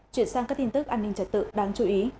chuyển sang các tin tức an ninh trật tự đáng chú ý